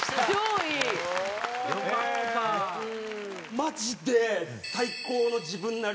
マジで。